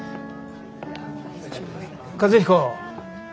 和彦